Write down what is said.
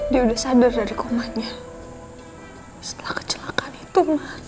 di udah sadar dari komanya setelah kecelakaan itu